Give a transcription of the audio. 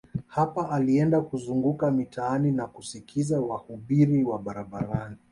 Hapa alienda kuzunguka mitaani na kusikiliza wahubiri wa barabarani